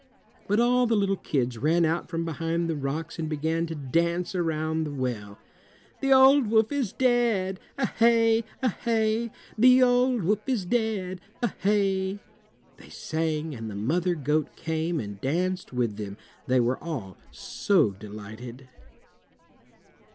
But all the little kids ran out from behind the rocks and began to dance around the well. "The old wolf is dead, A hey! A hey! The old wolf is dead, A hey!" they sang, and the mother goat came and danced with them, they were all so delighted.